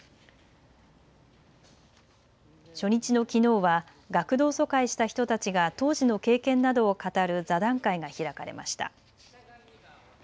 初日のきのうは学童疎開した人たちが当時の経験などを語る座談会が開かれました。